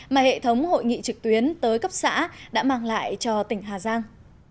mà hệ thống hội nghị trực tuyến tới cấp xã đã mang lại cho tỉnh hà giang